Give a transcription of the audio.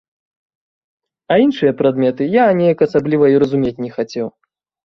А іншыя прадметы я неяк асабліва і разумець не хацеў.